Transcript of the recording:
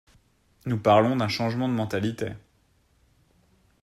Nous parlons d’un changement de mentalités.